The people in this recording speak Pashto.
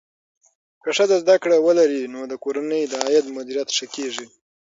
که ښځه زده کړه ولري، نو د کورنۍ د عاید مدیریت ښه کېږي.